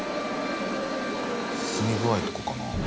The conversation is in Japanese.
進み具合とかかな？